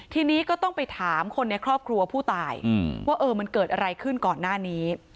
ทีนี้ก็ต้องไปถามคนในครอบครัวผู้ตายว่าเออมันเกิดอะไรขึ้นก่อนหน้านี้